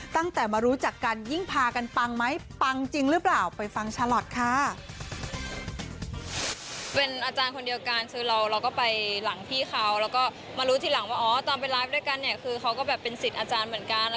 ทีหลังว่าตอนไปไลฟ์ด้วยกันคือเขาก็เป็นสิทธิ์อาจารย์เหมือนกัน